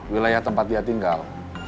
wilayah tempat dia tinggal